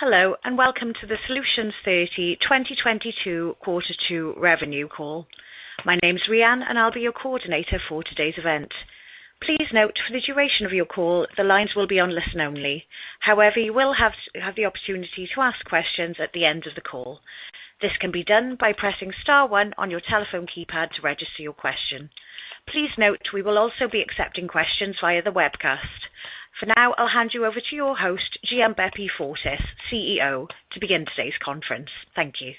Hello, and welcome to the Solutions30 2022 Q2 revenue call. My name is Rhian, and I'll be your coordinator for today's event. Please note, for the duration of your call, the lines will be on listen-only. However, you will have to have the opportunity to ask questions at the end of the call. This can be done by pressing star one on your telephone keypad to register your question. Please note we will also be accepting questions via the webcast. For now, I'll hand you over to your host, Gianbeppi Fortis, CEO, to begin today's conference. Thank you.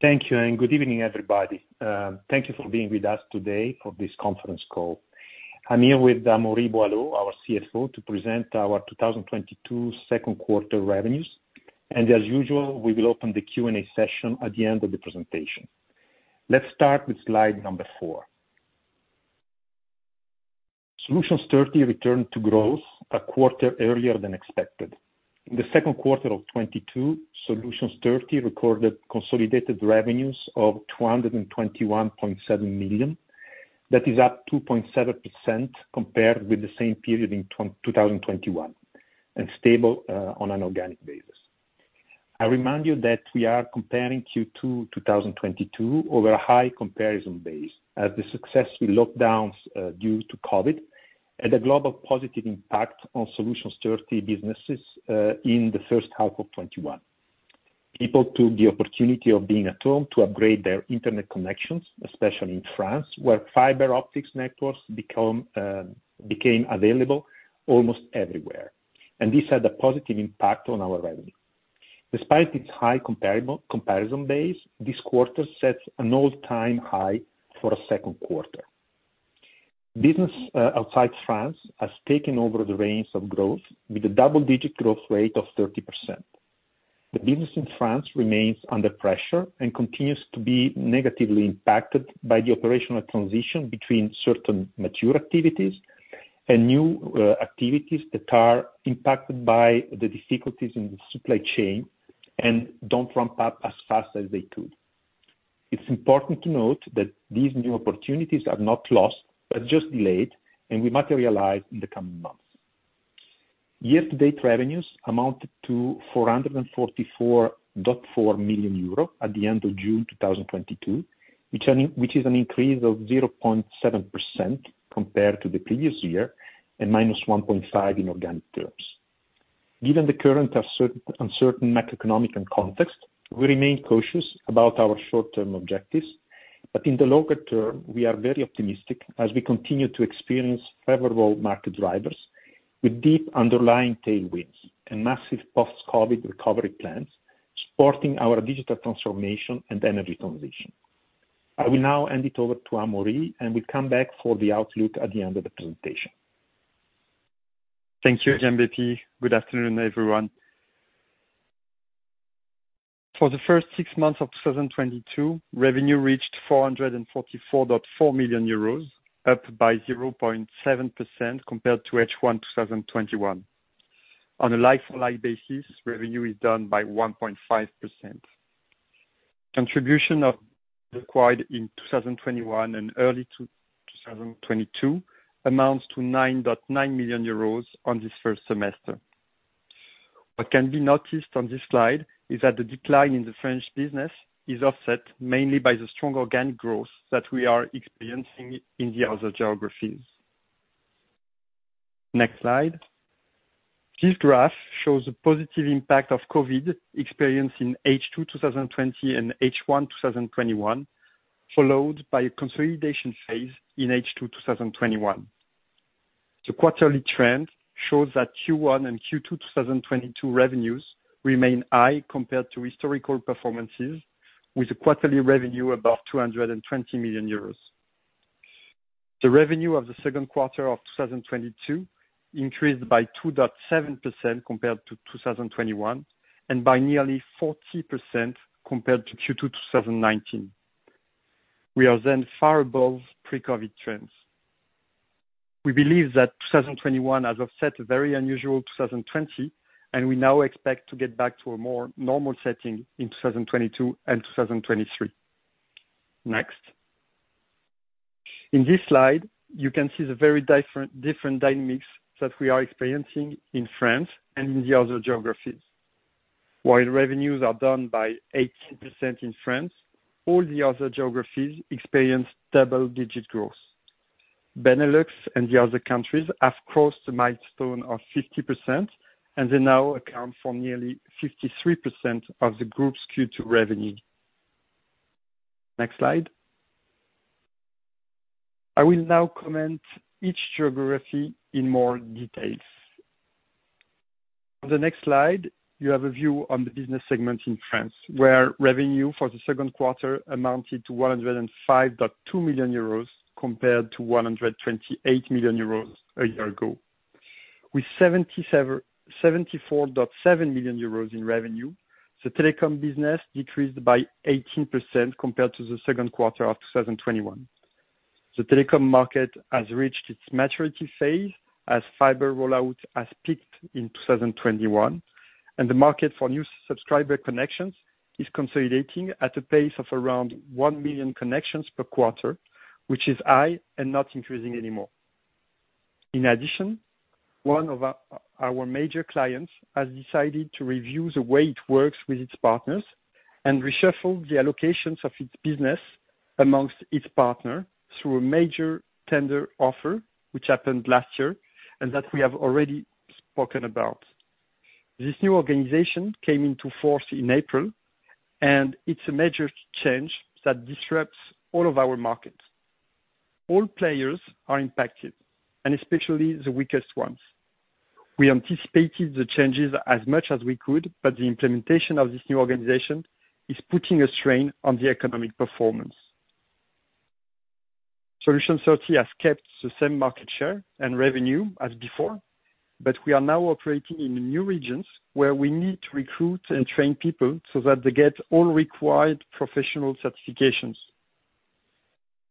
Thank you, and good evening, everybody. Thank you for being with us today for this conference call. I'm here with Amaury Boilot, our CFO, to present our 2022 second quarter revenues. As usual, we will open the Q&A session at the end of the presentation. Let's start with slide number four. Solutions30 returned to growth a quarter earlier than expected. In the second quarter of 2022, Solutions30 recorded consolidated revenues of 221.7 million. That is up 2.7% compared with the same period in 2021, and stable on an organic basis. I remind you that we are comparing Q2 2022 over a high comparison base as the successful lockdowns due to COVID and the global positive impact on Solutions30 businesses in the first half of 2021. People took the opportunity of being at home to upgrade their internet connections, especially in France, where fiber optic networks became available almost everywhere. This had a positive impact on our revenue. Despite its high comparable base, this quarter sets an all-time high for a second quarter. Business outside France has taken over the reins of growth with a double-digit growth rate of 30%. The business in France remains under pressure and continues to be negatively impacted by the operational transition between certain mature activities and new activities that are impacted by the difficulties in the supply chain and don't ramp up as fast as they could. It's important to note that these new opportunities are not lost, but just delayed and will materialize in the coming months. Year-to-date revenues amounted to 444.4 million euro at the end of June 2022, which is an increase of 0.7% compared to the previous year and -1.5% in organic terms. Given the current uncertain macroeconomic context, we remain cautious about our short-term objectives. In the longer term, we are very optimistic as we continue to experience favorable market drivers with deep underlying tailwinds and massive post-COVID recovery plans supporting our digital transformation and energy transition. I will now hand it over to Amaury, and we'll come back for the outlook at the end of the presentation. Thank you, Gianbeppi. Good afternoon, everyone. For the first six months of 2022, revenue reached 444.4 million euros, up by 0.7% compared to H1 2021. On a like-for-like basis, revenue is down by 1.5%. Contribution from acquired in 2021 and early 2022 amounts to 9.9 million euros on this first semester. What can be noticed on this slide is that the decline in the French business is offset mainly by the strong organic growth that we are experiencing in the other geographies. Next slide. This graph shows the positive impact of COVID experienced in H2 2020 and H1 2021, followed by a consolidation phase in H2 2021. The quarterly trend shows that Q1 and Q2 2022 revenues remain high compared to historical performances, with a quarterly revenue above 220 million euros. The revenue of the second quarter of 2022 increased by 2.7% compared to 2021, and by nearly 40% compared to Q2, 2019. We are then far above pre-COVID trends. We believe that 2021 has offset a very unusual 2020, and we now expect to get back to a more normal setting in 2022 and 2023. Next. In this slide, you can see the very different dynamics that we are experiencing in France and in the other geographies. While revenues are down by 18% in France, all the other geographies experienced double-digit growth. Benelux and the other countries have crossed the milestone of 50%, and they now account for nearly 53% of the group's Q2 revenue. Next slide. I will now comment each geography in more details. On the next slide, you have a view on the business segment in France, where revenue for the second quarter amounted to 105.2 million euros compared to 128 million euros a year ago. With 74.7 million euros in revenue, the telecom business decreased by 18% compared to the second quarter of 2021. The telecom market has reached its maturity phase as fiber rollout has peaked in 2021, and the market for new subscriber connections is consolidating at a pace of around 1 million connections per quarter, which is high and not increasing anymore. In addition, one of our major clients has decided to review the way it works with its partners and reshuffle the allocations of its business among its partners through a major tender offer which happened last year and that we have already spoken about. This new organization came into force in April, and it's a major change that disrupts all of our markets. All players are impacted, and especially the weakest ones. We anticipated the changes as much as we could, but the implementation of this new organization is putting a strain on the economic performance. Solutions30 has kept the same market share and revenue as before, but we are now operating in new regions where we need to recruit and train people so that they get all required professional certifications.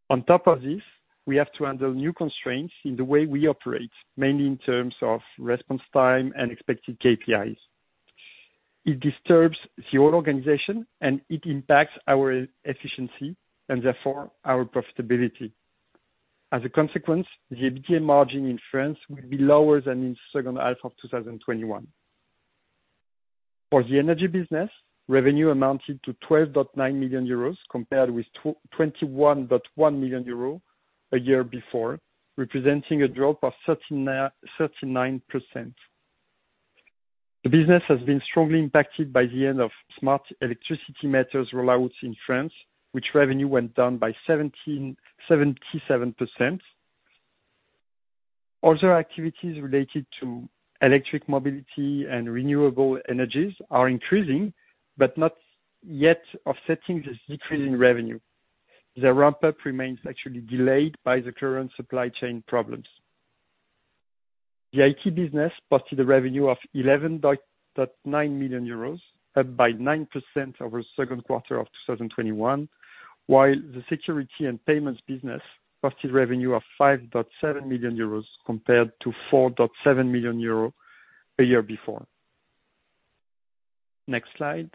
On top of this, we have to handle new constraints in the way we operate, mainly in terms of response time and expected KPIs. It disturbs the old organization, and it impacts our efficiency and therefore our profitability. As a consequence, the EBITDA margin in France will be lower than in second half of 2021. For the energy business, revenue amounted to 12.9 million euros compared with 21.1 million euros a year before, representing a drop of 39%. The business has been strongly impacted by the end of smart electricity meters rollouts in France, which revenue went down by 77%. Other activities related to electric mobility and renewable energies are increasing, but not yet offsetting this decrease in revenue. The ramp-up remains actually delayed by the current supply chain problems. The IT business posted a revenue of 11.9 million euros, up by 9% over second quarter of 2021, while the security and payments business posted revenue of 5.7 million euros compared to 4.7 million euros a year before. Next slide.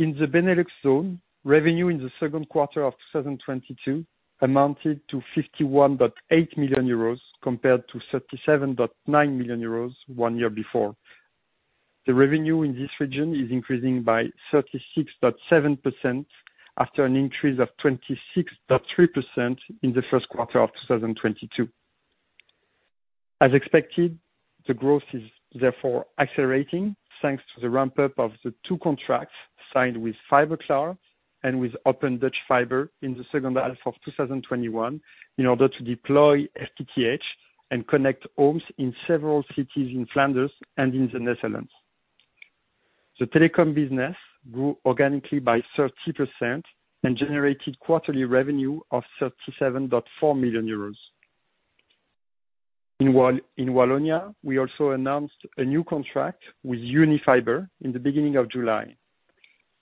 In the Benelux zone, revenue in the second quarter of 2022 amounted to 51.8 million euros compared to 37.9 million euros one year before. The revenue in this region is increasing by 36.7% after an increase of 26.3% in the first quarter of 2022. As expected, the growth is therefore accelerating thanks to the ramp-up of the two contracts signed with Fiberklaar and with Open Dutch Fiber in the second half of 2021 in order to deploy FTTH and connect homes in several cities in Flanders and in the Netherlands. The telecom business grew organically by 30% and generated quarterly revenue of 37.4 million euros. In Wallonia, we also announced a new contract with Unifiber in the beginning of July.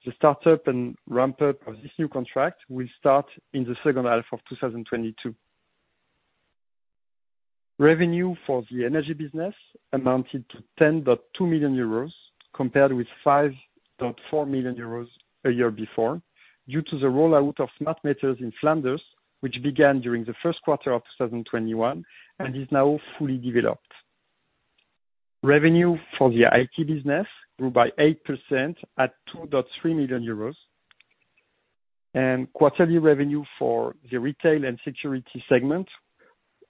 The start-up and ramp-up of this new contract will start in the second half of 2022. Revenue for the energy business amounted to 10.2 million euros compared with 5.4 million euros a year before, due to the rollout of smart meters in Flanders, which began during the first quarter of 2021 and is now fully developed. Revenue for the IT business grew by 8% at 2.3 million euros, and quarterly revenue for the retail and security segment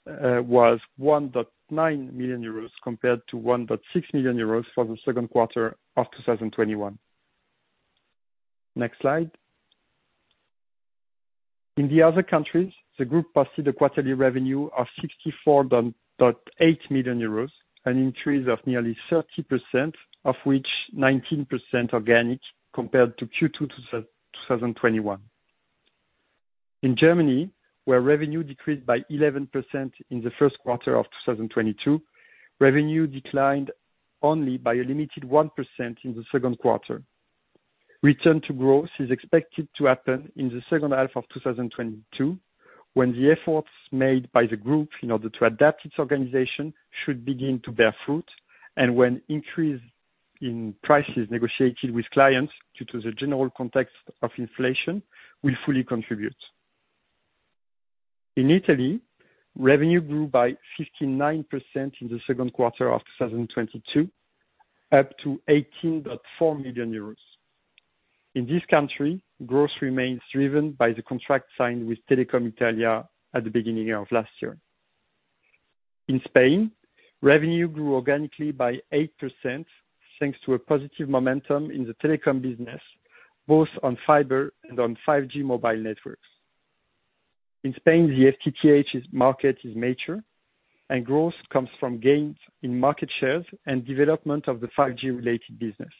was 1.9 million euros compared to 1.6 million euros for the second quarter of 2021. Next slide. In the other countries, the group posted a quarterly revenue of 64.8 million euros, an increase of nearly 30% of which 19% organic compared to Q2 2021. In Germany, where revenue decreased by 11% in the first quarter of 2022, revenue declined only by a limited 1% in the second quarter. Return to growth is expected to happen in the second half of 2022 when the efforts made by the group in order to adapt its organization should begin to bear fruit and when increase in prices negotiated with clients due to the general context of inflation will fully contribute. In Italy, revenue grew by 59% in the second quarter of 2022, up to 18.4 million euros. In this country, growth remains driven by the contract signed with Telecom Italia at the beginning of last year. In Spain, revenue grew organically by 8% thanks to a positive momentum in the telecom business, both on fiber and on 5G mobile networks. In Spain, the FTTH market is mature and growth comes from gains in market shares and development of the 5G related business.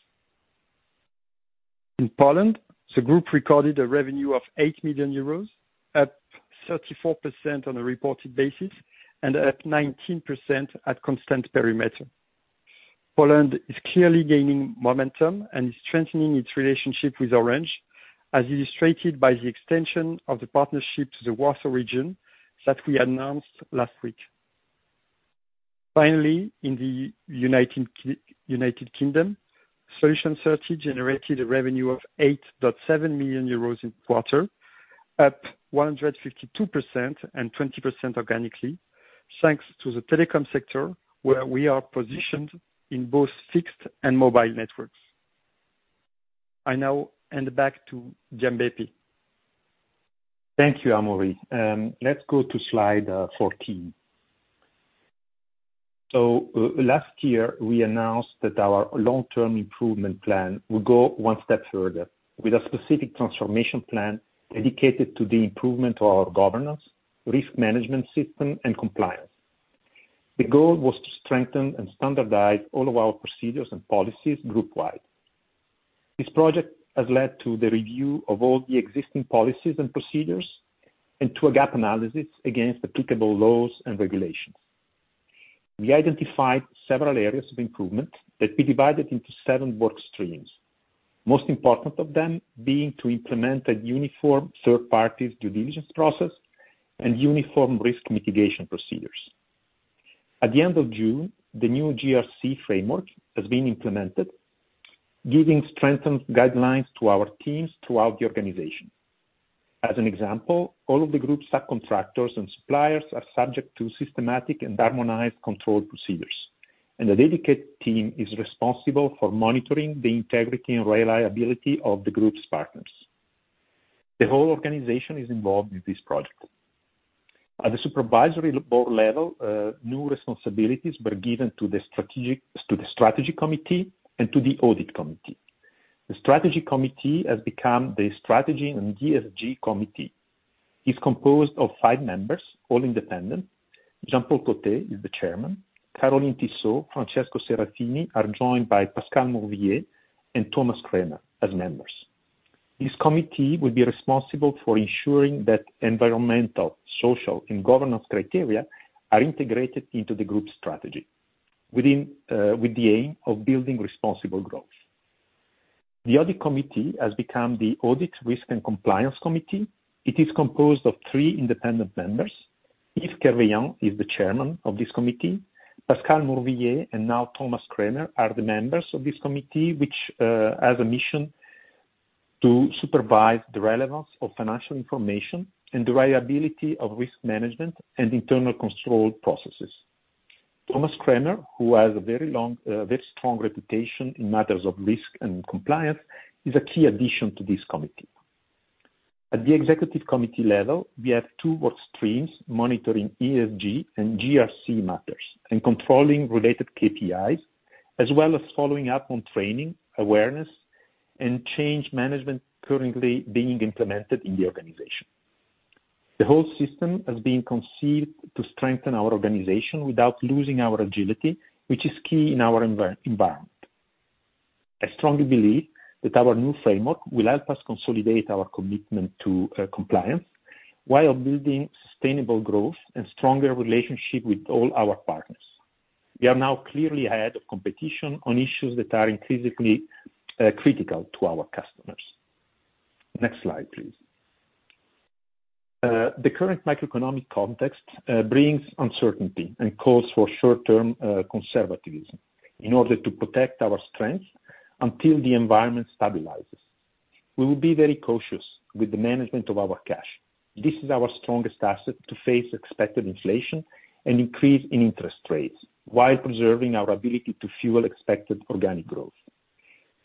In Poland, the group recorded a revenue of 8 million euros, up 34% on a reported basis and up 19% at constant perimeter. Poland is clearly gaining momentum and is strengthening its relationship with Orange, as illustrated by the extension of the partnership to the Warsaw region that we announced last week. Finally, in the United Kingdom, Solutions30 generated a revenue of 8.7 million euros in quarter, up 152% and 20% organically, thanks to the telecom sector, where we are positioned in both fixed and mobile networks. I now hand back to Gianbeppi. Thank you, Amaury. Let's go to slide 14. Last year, we announced that our long-term improvement plan will go one step further with a specific transformation plan dedicated to the improvement of our governance, risk management system, and compliance. The goal was to strengthen and standardize all of our procedures and policies group-wide. This project has led to the review of all the existing policies and procedures, and to a gap analysis against applicable laws and regulations. We identified several areas of improvement that we divided into seven work streams. Most important of them being to implement a uniform third party due diligence process and uniform risk mitigation procedures. At the end of June, the new GRC framework has been implemented, giving strengthened guidelines to our teams throughout the organization. As an example, all of the group subcontractors and suppliers are subject to systematic and harmonized controlled procedures, and a dedicated team is responsible for monitoring the integrity and reliability of the group's partners. The whole organization is involved with this project. At the Supervisory Board level, new responsibilities were given to the strategy committee and to the audit committee. The strategy committee has become the strategy and ESG committee, is composed of five members, all independent. Jean-Paul Cottet is the Chairman. Caroline Tissot, Francesco Serafini, are joined by Pascale Mourvillier and Thomas Kremer as members. This committee will be responsible for ensuring that environmental, social, and governance criteria are integrated into the group strategy with the aim of building responsible growth. The audit committee has become the audit, risk, and compliance committee. It is composed of three independent members. Yves Kerveillant is the chairman of this committee. Pascale Mourvillier, and now Thomas Kremer are the members of this committee, which has a mission to supervise the relevance of financial information and the reliability of risk management and internal control processes. Thomas Kremer, who has a very long, very strong reputation in matters of risk and compliance, is a key addition to this committee. At the executive committee level, we have two work streams monitoring ESG and GRC matters and controlling related KPIs, as well as following up on training, awareness, and change management currently being implemented in the organization. The whole system has been conceived to strengthen our organization without losing our agility, which is key in our environment. I strongly believe that our new framework will help us consolidate our commitment to compliance while building sustainable growth and stronger relationship with all our partners. We are now clearly ahead of competition on issues that are increasingly critical to our customers. Next slide, please. The current macroeconomic context brings uncertainty and calls for short-term conservatism in order to protect our strength until the environment stabilizes. We will be very cautious with the management of our cash. This is our strongest asset to face expected inflation and increase in interest rates, while preserving our ability to fuel expected organic growth.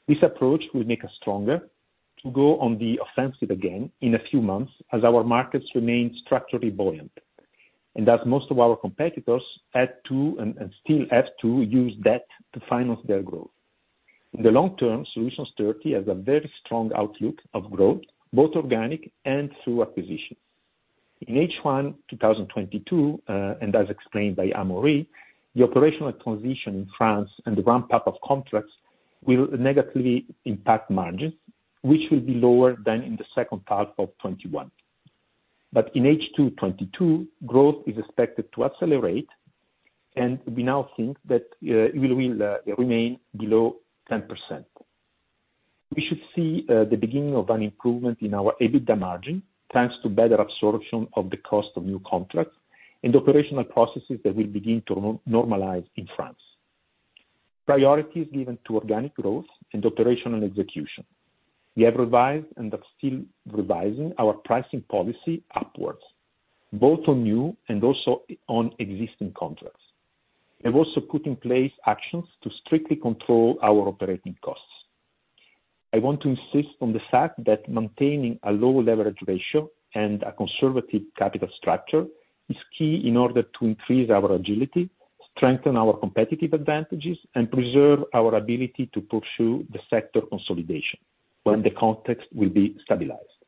This approach will make us stronger to go on the offensive again in a few months as our markets remain structurally buoyant. As most of our competitors had to and still have to use debt to finance their growth. In the long term, Solutions30 has a very strong outlook of growth, both organic and through acquisitions. In H1 2022, and as explained by Amaury, the operational transition in France and the ramp-up of contracts will negatively impact margins, which will be lower than in the second half of 2021. In H2 2022, growth is expected to accelerate, and we now think that it will remain below 10%. We should see the beginning of an improvement in our EBITDA margin, thanks to better absorption of the cost of new contracts and operational processes that will begin to normalize in France. Priority is given to organic growth and operational execution. We have revised and are still revising our pricing policy upwards, both on new and also on existing contracts. We have also put in place actions to strictly control our operating costs. I want to insist on the fact that maintaining a low leverage ratio and a conservative capital structure is key in order to increase our agility, strengthen our competitive advantages, and preserve our ability to pursue the sector consolidation when the context will be stabilized.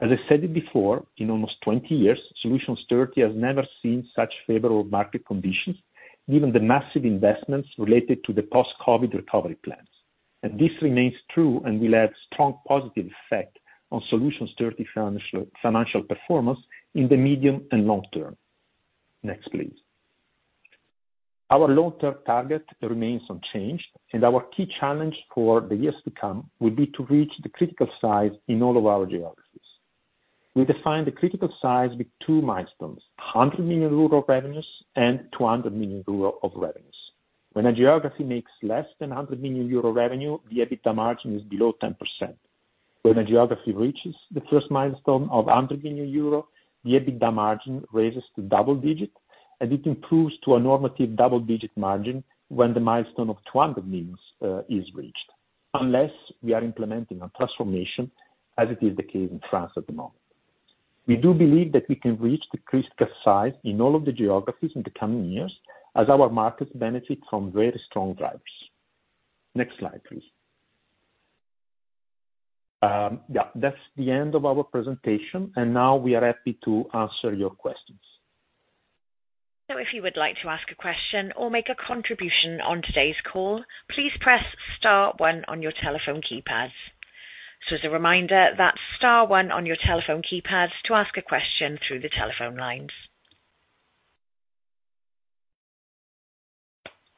As I said it before, in almost 20 years, Solutions30 has never seen such favorable market conditions, given the massive investments related to the post-COVID recovery plans. This remains true and will have strong positive effect on Solutions30 financial performance in the medium and long term. Next, please. Our long-term target remains unchanged, and our key challenge for the years to come will be to reach the critical size in all of our geographies. We define the critical size with two milestones, 100 million euro of revenues and 200 million euro of revenues. When a geography makes less than 100 million euro revenue, the EBITDA margin is below 10%. When a geography reaches the first milestone of EUR 100 million, the EBITDA margin raises to double digits, and it improves to a normative double-digit margin when the milestone of 200 million is reached, unless we are implementing a transformation as it is the case in France at the moment. We do believe that we can reach the critical size in all of the geographies in the coming years as our markets benefit from very strong drivers. Next slide, please. Yeah, that's the end of our presentation, and now we are happy to answer your questions. If you would like to ask a question or make a contribution on today's call, please press star one on your telephone keypads. As a reminder, that's star one on your telephone keypads to ask a question through the telephone lines.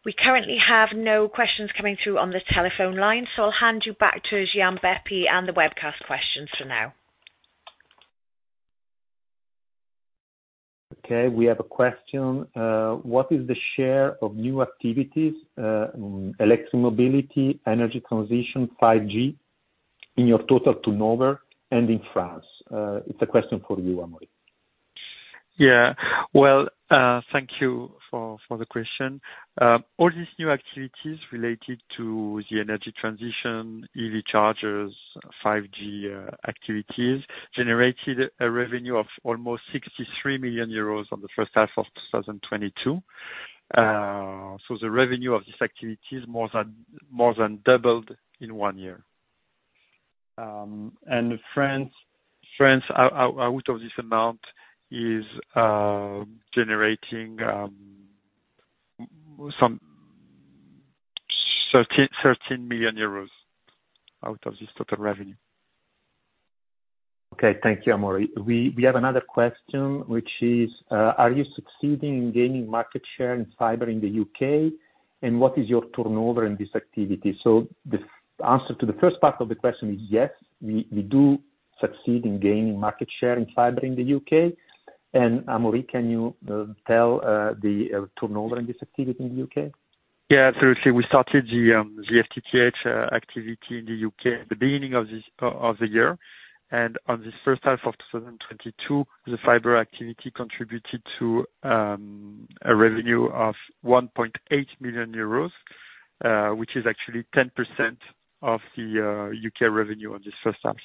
We currently have no questions coming through on the telephone lines, so I'll hand you back to Gianbeppi Fortis and the webcast questions for now. Okay, we have a question. What is the share of new activities, electro mobility, energy transition, 5G, in your total turnover and in France? It's a question for you, Amaury. Yeah. Well, thank you for the question. All these new activities related to the energy transition, EV chargers, 5G activities, generated a revenue of almost 63 million euros in the first half of 2022. The revenue of this activity is more than doubled in one year. France out of this amount is generating some 13 million euros out of this total revenue. Okay. Thank you, Amaury. We have another question which is, are you succeeding in gaining market share in fiber in the U.K.? And what is your turnover in this activity? The answer to the first part of the question is yes, we do succeed in gaining market share in fiber in the U.K. And Amaury, can you tell the turnover in this activity in the U.K.? Yeah, absolutely. We started the FTTH activity in the U.K. at the beginning of this year. On this first half of 2022, the fiber activity contributed to a revenue of 1.8 million euros, which is actually 10% of the U.K. revenue on this first half.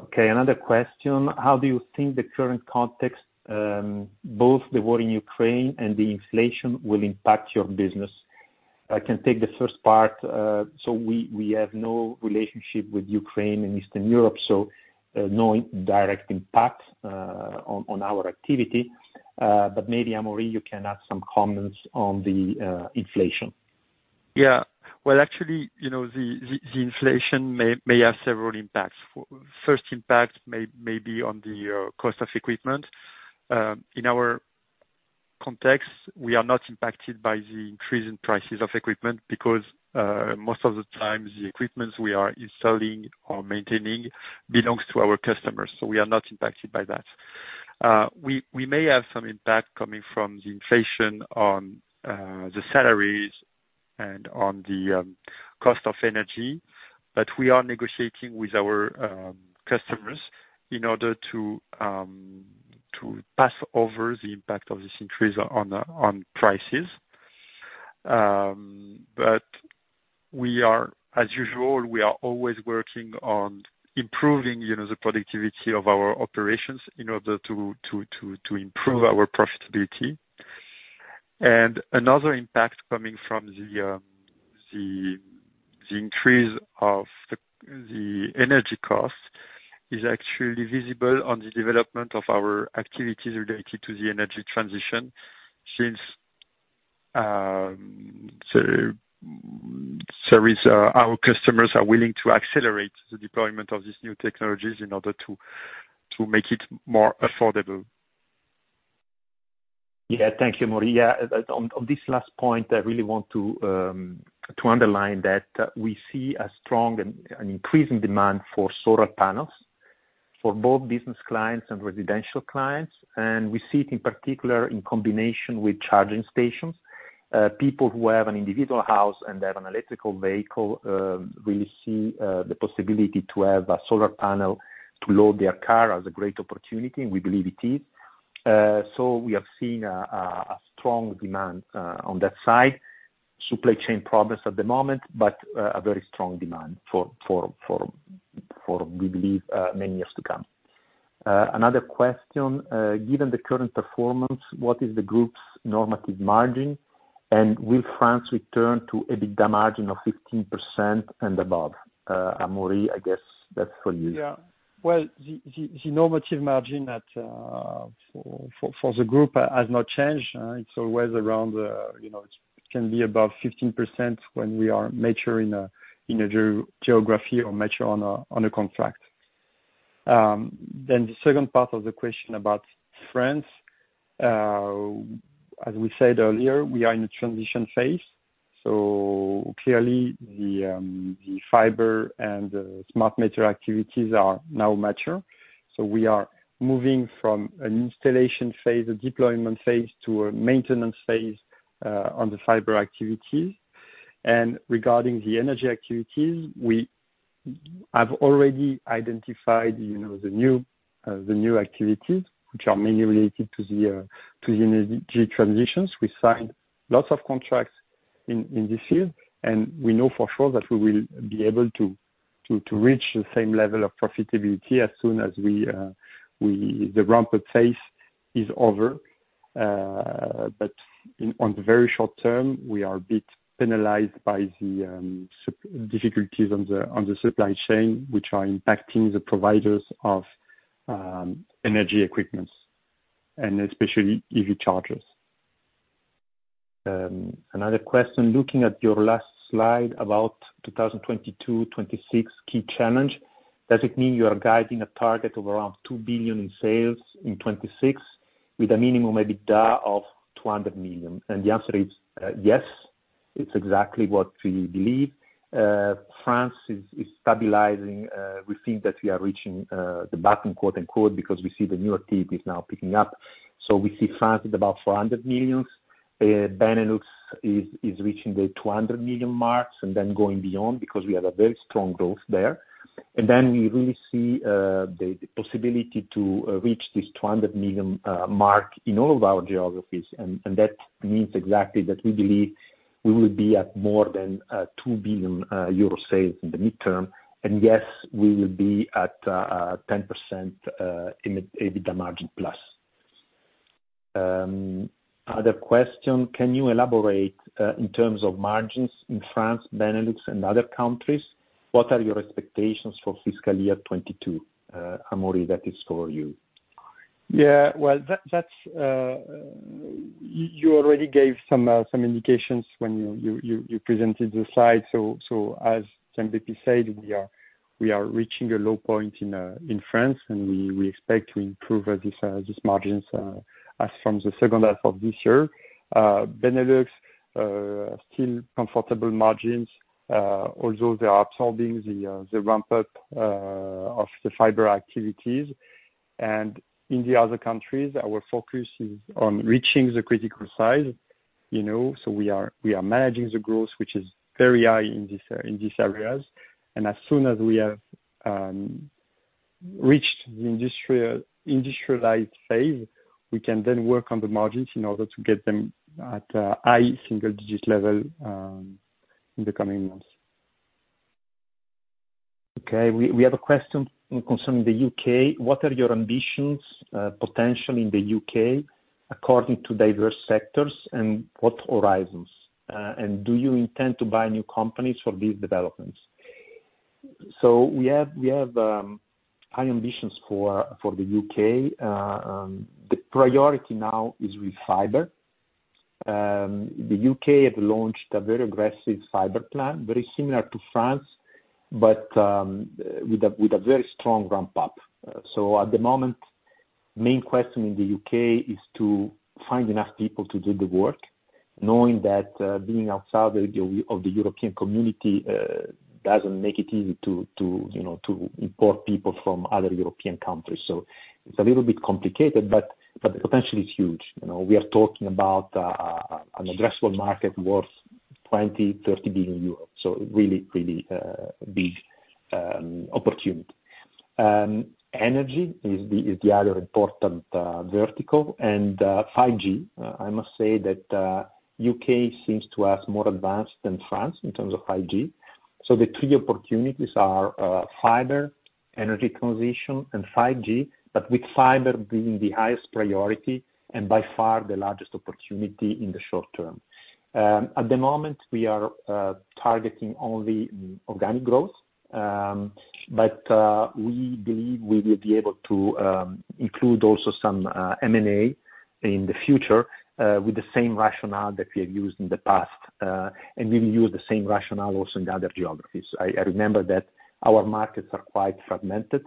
Okay. Another question. How do you think the current context, both the war in Ukraine and the inflation will impact your business? I can take the first part. We have no relationship with Ukraine and Eastern Europe, so no direct impact on our activity. Maybe Amaury you can add some comments on the inflation. Yeah. Well, actually, you know, the inflation may have several impacts. First impact may be on the cost of equipment. In our context, we are not impacted by the increase in prices of equipment because most of the times the equipment we are installing or maintaining belongs to our customers, so we are not impacted by that. We may have some impact coming from the inflation on the salaries and on the cost of energy, but we are negotiating with our customers in order to pass over the impact of this increase on prices. We are, as usual, we are always working on improving, you know, the productivity of our operations in order to improve our profitability. Another impact coming from the increase of the energy cost is actually visible on the development of our activities related to the energy transition since our customers are willing to accelerate the deployment of these new technologies in order to make it more affordable. Yeah. Thank you, Amaury. Yeah. On this last point, I really want to underline that we see a strong and an increasing demand for solar panels for both business clients and residential clients. We see it in particular in combination with charging stations. People who have an individual house and have an electric vehicle really see the possibility to have a solar panel to charge their car as a great opportunity, and we believe it is. We have seen a strong demand on that side. Supply chain problems at the moment, but a very strong demand for, we believe, many years to come. Another question. Given the current performance, what is the group's normalized margin? Will France return to a bigger margin of 15% and above? Amaury, I guess that's for you. The normalized margin for the group has not changed. It's always around, you know, it can be above 15% when we are mature in a geography or mature on a contract. The second part of the question about France. As we said earlier, we are in a transition phase. Clearly, the fiber and the smart meter activities are now mature. We are moving from an installation phase, a deployment phase, to a maintenance phase on the fiber activities. Regarding the energy activities, we have already identified, you know, the new activities, which are mainly related to the energy transitions. We signed lots of contracts in this field, and we know for sure that we will be able to reach the same level of profitability as soon as the ramp-up phase is over. On the very short term, we are a bit penalized by the difficulties on the supply chain, which are impacting the providers of energy equipment and especially EV chargers. Another question. Looking at your last slide about 2022-2026 key challenge, does it mean you are guiding a target of around 2 billion in sales in 2026 with a minimum, maybe, EBITDA of 200 million? The answer is, yes. It's exactly what we believe. France is stabilizing. We think that we are reaching the bottom, quote unquote, because we see the new tip is now picking up. We see France at about 400 million. Benelux is reaching the 200 million mark and then going beyond because we have a very strong growth there. Then we really see the possibility to reach this 200 million mark in all of our geographies. That means exactly that we believe we will be at more than 2 billion euro sales in the mid-term. Yes, we will be at 10% in the EBITDA margin plus. Other question, can you elaborate in terms of margins in France, Benelux and other countries, what are your expectations for fiscal year 2022? Amaury, that is for you. Yeah. Well, that's. You already gave some indications when you presented the slide. As Gianbeppi said, we are reaching a low point in France, and we expect to improve these margins as from the second half of this year. Benelux still comfortable margins, although they are absorbing the ramp up of the fiber activities. In the other countries, our focus is on reaching the critical size, you know, so we are managing the growth, which is very high in these areas. As soon as we have reached the industrialized phase, we can then work on the margins in order to get them at a high single digit level in the coming months. We have a question concerning the U.K. What are your ambitions, potential in the U.K. according to diverse sectors and what horizons? Do you intend to buy new companies for these developments? We have high ambitions for the U.K. The priority now is with fiber. The U.K. have launched a very aggressive fiber plan, very similar to France, but with a very strong ramp up. At the moment, main question in the U.K. is to find enough people to do the work, knowing that being outside of the European community doesn't make it easy to you know to import people from other European countries. It's a little bit complicated, but the potential is huge. You know, we are talking about an addressable market worth 20 billion-30 billion euros. So really big opportunity. Energy is the other important vertical and 5G. I must say that U.K. seems to us more advanced than France in terms of 5G. So the three opportunities are fiber, energy transition, and 5G, but with fiber being the highest priority and by far the largest opportunity in the short term. At the moment, we are targeting only organic growth. We believe we will be able to include also some M&A in the future, with the same rationale that we have used in the past, and we will use the same rationale also in the other geographies. I remember that our markets are quite fragmented,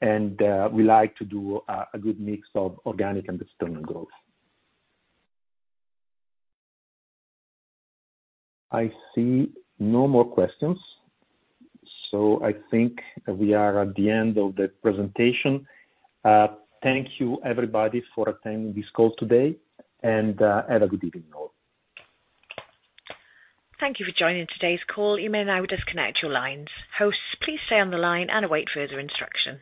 and we like to do a good mix of organic and external growth. I see no more questions, so I think we are at the end of the presentation. Thank you, everybody, for attending this call today, and have a good evening all. Thank you for joining today's call. You may now disconnect your lines. Hosts, please stay on the line and await further instruction.